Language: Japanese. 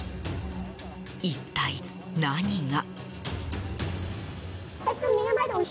一体、何が。